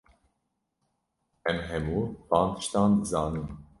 Em hemû van tiştan dizanin.